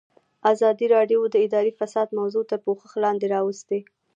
ازادي راډیو د اداري فساد موضوع تر پوښښ لاندې راوستې.